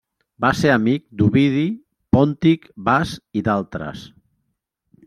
Va ser amic d'Ovidi, Pòntic, Bas, i d'altres.